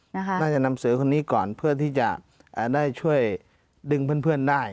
น่าจะนำเสือคนนี้ก่อนเพื่อที่จะได้ช่วยดึงเพื่อนได้